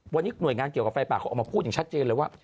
วันนี้หน่วยงานเกี่ยวกับไฟป่าเขาออกมาพูดอย่างชัดเจนเลยว่า